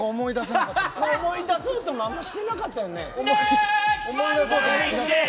思い出そうともあんましてなかったよね